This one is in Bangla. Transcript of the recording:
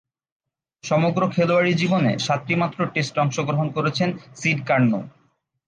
সমগ্র খেলোয়াড়ী জীবনে সাতটিমাত্র টেস্টে অংশগ্রহণ করেছেন সিড কার্নো।